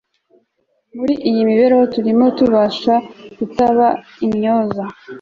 Muri iyi mibereho turimo tubasha kutaba intyoza